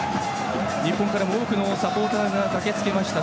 日本からも多くのサポーターが駆けつけました。